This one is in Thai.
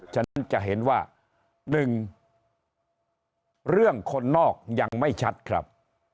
ฉะนั้นจะเห็นว่า๑เรื่องคนนอกยังไม่ชัดครับ